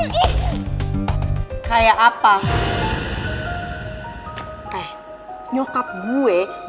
bikin makanan ini pake cinta dan perhatian